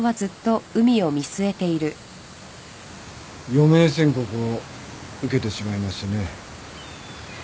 余命宣告を受けてしまいましてね。